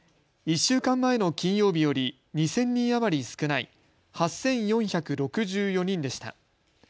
１週間前の金曜日より２０００人余り少ない８４６４人でした。